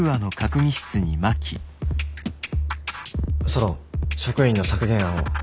ソロン職員の削減案を。